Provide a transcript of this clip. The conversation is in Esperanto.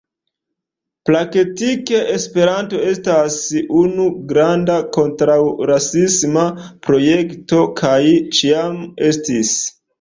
Praktike Esperanto estas unu granda kontraŭrasisma projekto kaj ĉiam estis.